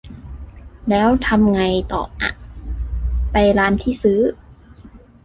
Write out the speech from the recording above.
แล้วทำไงต่ออ่ะ ไปร้านที่ซื้อ ?